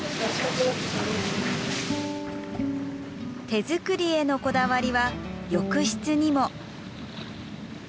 手作りへのこだわりは浴室にも。